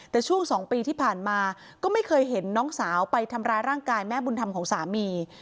แต่ช่วง๒ปีที่ผ่านมาก็ไม่เคยเห็นน้องสาวไปทำร้ายร่างกายแม่บุญธรรมของสามี